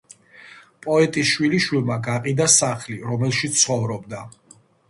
პოეტის შვილიშვილმა გაყიდა სახლი რომელშიც ცხოვრობდა.